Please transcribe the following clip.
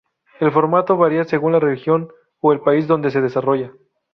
El formato varía según la región o el país donde se desarrolla.